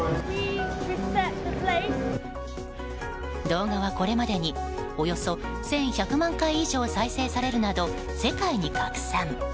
動画はこれまでにおよそ１１００万回以上再生されるなど世界に拡散。